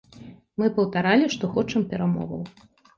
Мы паўтаралі, што хочам перамоваў.